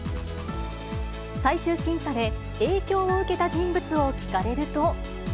最終審査で影響を受けた人物を聞かれると。